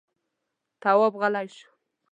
تواب غلی شو.